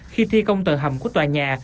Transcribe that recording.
khi thi công tờ hầm của tòa nhà